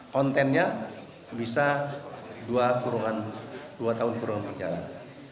kontennya bisa dua tahun kurungan berjalan